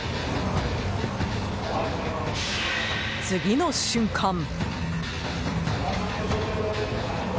次の瞬間。